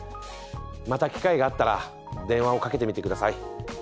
また機会があったら電話をかけてみて下さい。